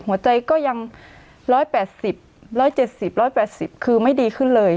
หัวใจก็ยังร้อยแปดสิบร้อยเจ็ดสิบร้อยแปดสิบคือไม่ดีขึ้นเลย